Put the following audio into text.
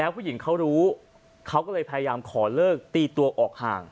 ผู้หญิงเขารู้เขาก็เลยพยายามขอเลิกตีตัวออกห่าง